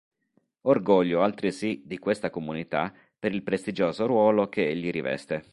Orgoglio, altresì, di questa comunità per il prestigioso ruolo che Egli riveste".